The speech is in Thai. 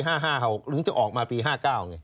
หรือจะออกมาปี๕๙ไง